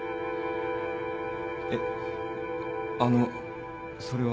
えっあのそれは。